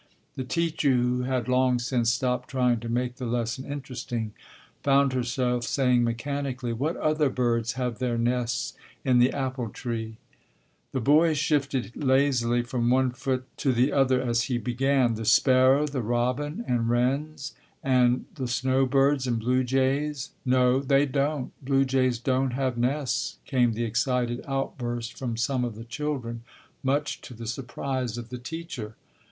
The teacher, who had long since stopped trying to make the lesson interesting, found herself saying mechanically, "What other birds have their nests in the apple tree?" The boy shifted lazily from one foot to the other as he began, "The sparrow, the robin, and wrens, and the snow birds and blue jays " "No, they don't, blue jays don't have nests," came the excited outburst from some of the children, much to the surprise of the teacher.